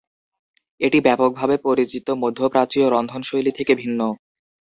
এটি ব্যাপকভাবে পরিচিত মধ্যপ্রাচ্যীয় রন্ধনশৈলী থেকে ভিন্ন।